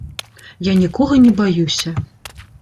Я нікога не баюся.